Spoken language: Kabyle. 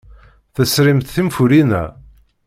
Tesrimt tinfulin-a?